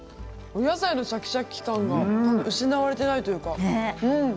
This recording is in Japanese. お野菜のシャキシャキ感が失われていないというか。